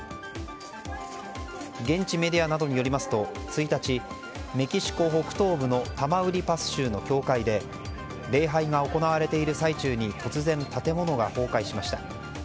現地メディアなどによりますと１日メキシコ北東部のタマウリパス州の教会で礼拝が行われている最中に突然、建物が崩壊しました。